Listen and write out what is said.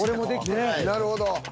なるほど。